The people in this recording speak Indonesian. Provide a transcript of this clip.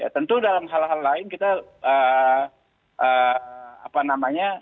tentu dalam hal hal lain kita